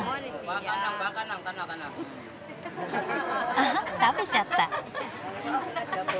あっ食べちゃった。